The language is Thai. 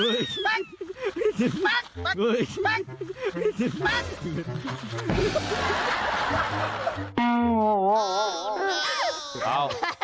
เอา